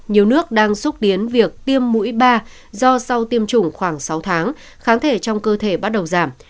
nhiều nước đang xúc tiến việc tiêm mũi ba do sau tiêm chủng khoảng sáu tháng kháng thể trong cơ thể bắt đầu giảm